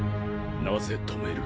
なぜ止める？